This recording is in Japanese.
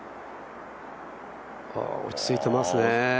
落ち着いてますね。